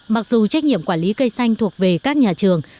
mặc dù trách nhiệm quản lý cây xanh thuộc về các nhà trường